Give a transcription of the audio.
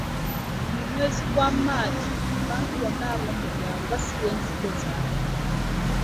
Mu mwezi gwa Maaci abantu bonna ab'omu byalo basiga ensigo zaabwe.